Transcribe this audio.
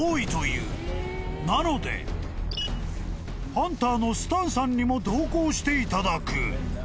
なのでハンターのスタンさんにも同行していただく］